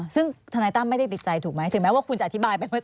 ซึ่งธนายตั้มไม่ได้ติดใจถูกไหมถึงแม้ว่าคุณจะอธิบายไปเมื่อ